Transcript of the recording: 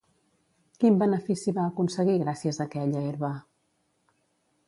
Quin benefici va aconseguir gràcies a aquella herba?